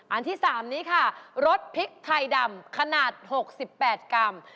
อันที่๓นี้ค่ะรสพริกไทยดำขนาด๖๘กรัม